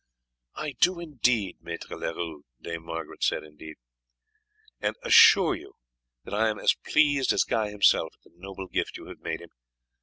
"I do indeed, Maître Leroux," Dame Margaret said warmly; "and assure you that I am as pleased as Guy himself at the noble gift you have made him.